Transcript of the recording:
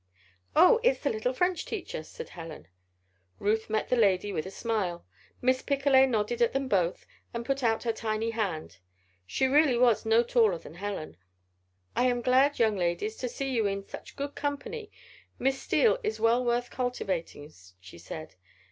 "Oh, it's the little French teacher," said Helen. Ruth met the little lady with a smile. Miss Picolet nodded to them both and put out her tiny hand. She really was no taller than Helen. "I am glad, young ladies, to see you in such good company. Miss Steele is well worth cultivating," she said.